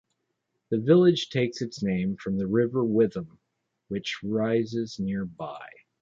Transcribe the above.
The village takes its name from the River Witham which rises nearby.